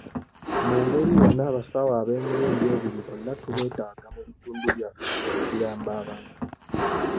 Mu ngeri yonna abasawo ab'emirundi ebiri bonna tubeetaaga mu bitundu byaffe okuyamba abantu.